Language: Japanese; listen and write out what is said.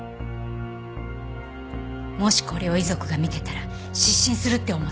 もしこれを遺族が見てたら失神するって思った。